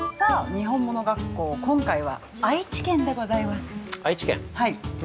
「にほんもの学校」、今回は愛知県でございます。